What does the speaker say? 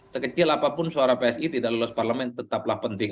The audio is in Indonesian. sekecil apapun suara psi tidak lolos parlemen tetaplah penting